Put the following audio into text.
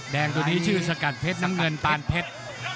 แดงตัวนี้ชื่อสกัดเพชรน้ำเงินปานเพชร